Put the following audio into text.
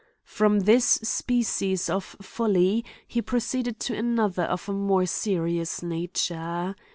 From this species of folly he proceeded to another of a more serious nature.